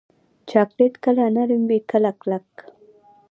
چاکلېټ کله نرم وي، کله کلک.